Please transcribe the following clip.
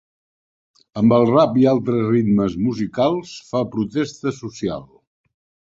Amb el rap i altres ritmes musicals fa protesta social.